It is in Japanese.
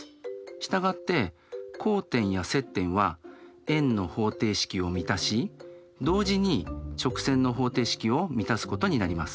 従って交点や接点は円の方程式を満たし同時に直線の方程式を満たすことになります。